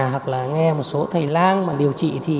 hoặc là nghe một số thầy lang mà điều trị